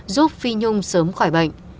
giúp phi nhung sớm khỏi bệnh